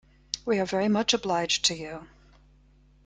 We are very much obliged to you!